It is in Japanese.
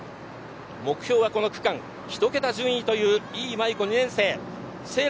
目標はこの区間、１桁順位という伊井萌佑子２年生です。